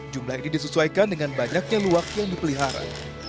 jumlah ini disesuaikan dengan banyaknya luwak yang dipelihara